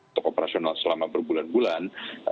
untuk operasional selama berbulan bulan